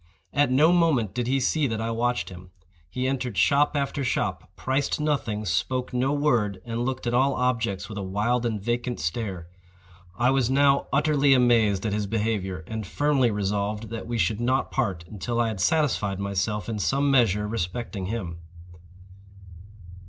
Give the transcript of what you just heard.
At no moment did he see that I watched him. He entered shop after shop, priced nothing, spoke no word, and looked at all objects with a wild and vacant stare. I was now utterly amazed at his behavior, and firmly resolved that we should not part until I had satisfied myself in some measure respecting him.